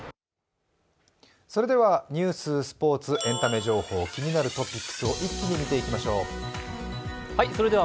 それではニュース、スポーツエンタメ情報、気になるトピックスを一気に見ていきましょう。